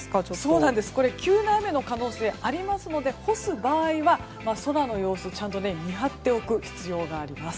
急な雨の可能性がありますので干す場合は空の様子をちゃんと見張っておく必要があります。